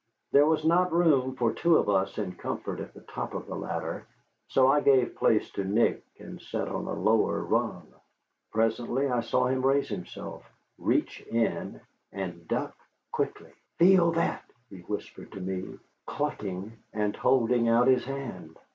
There was not room for two of us in comfort at the top of the ladder, so I gave place to Nick, and sat on a lower rung. Presently I saw him raise himself, reach in, and duck quickly. "Feel that," he whispered to me, chuckling and holding out his hand.